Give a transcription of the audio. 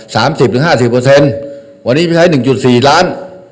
สิบถึงห้าสิบเปอร์เซ็นต์วันนี้ไปใช้หนึ่งจุดสี่ล้าน